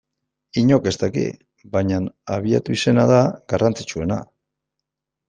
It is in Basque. Inork ez daki, baina abiatu izana da garrantzitsuena.